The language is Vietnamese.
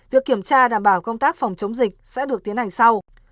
việc kiểm tra đảm bảo công tác phòng chống dịch sẽ được tiến hành sau